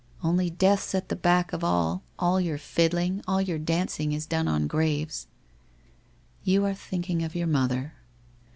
Only Death's at the back of all — all your fiddling, all your dancing is done on graves/ ' You are thinking of your mother.'